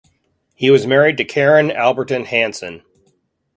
He was married to Karen Albertine Hansen.